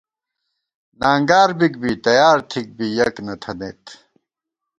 نانگار بِک بی ، تیار تِھک بی یَک نہ تھنَئیت